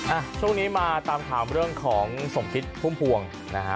อ่ะช่วงนี้มาตามข่าวเรื่องของสมคิดพุ่มพวงนะฮะ